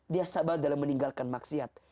dia sabar dalam meninggalkan maksiat